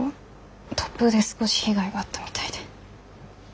突風で少し被害があったみたいで。